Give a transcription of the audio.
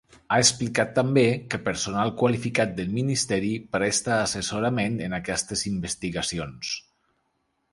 Ha explicat també que ‘personal qualificat’ del ministeri presta assessorament en aquestes investigacions.